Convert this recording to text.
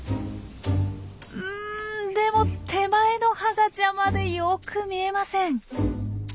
うんでも手前の葉が邪魔でよく見えません。